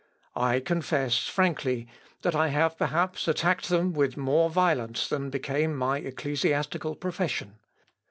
I confess frankly that I have perhaps attacked them with more violence than became my ecclesiastical profession.